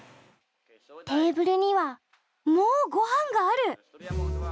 テーブルにはもう御飯がある！